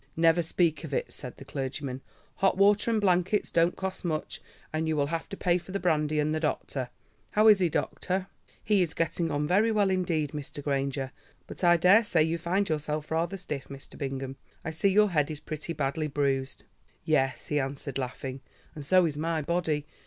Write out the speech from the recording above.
"Never speak of it," said the clergyman. "Hot water and blankets don't cost much, and you will have to pay for the brandy and the doctor. How is he, doctor?" "He is getting on very well indeed, Mr. Granger. But I daresay you find yourself rather stiff, Mr. Bingham. I see your head is pretty badly bruised." "Yes," he answered, laughing, "and so is my body.